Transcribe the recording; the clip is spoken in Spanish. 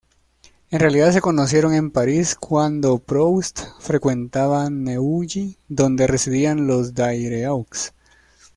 En realidad se conocieron en París cuando Proust frecuentaba Neuilly, donde residían los Daireaux.